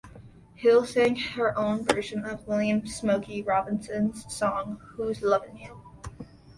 Hill sang her own version of William "Smokey" Robinson's song "Who's Lovin' You?".